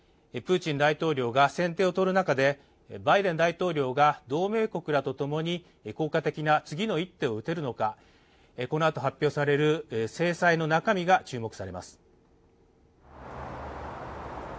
プーチン大統領が先手を取る中でバイデン大統領が同盟国らと共に効果的な次の一手を打てるのかこのあと発表される制裁の中身が注目されます。